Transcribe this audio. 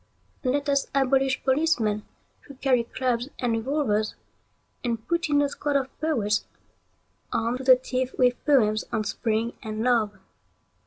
Let us abolish policemen who carry clubs and revolvers, and put in a squad of poets armed to the teeth with poems on Spring and Love.